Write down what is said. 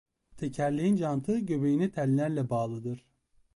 Tekerleğin cantı göbeğine tellerle bağlıdır.